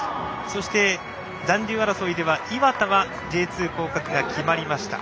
そして、残留争いでは磐田はＪ２降格が決まりました。